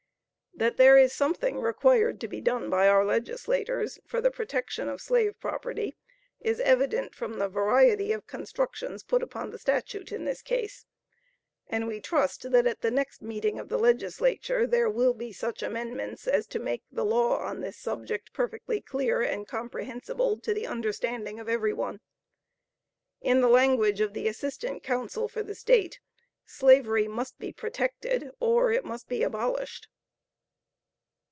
That there is something required to be done by our Legislators, for the protection of slave property, is evident from the variety of constructions put upon the statute in this case, and we trust, that at the next meeting of the Legislature there will be such amendments, as to make the law on this subject, perfectly clear and comprehensible to the understanding of every one. In the language of the assistant counsel for the State, "Slavery must be protected or it must be abolished."